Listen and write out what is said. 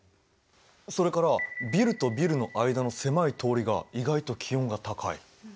それからビルとビルの間の狭い通りが意外と気温が高い。